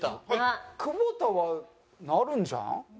久保田はなるじゃん！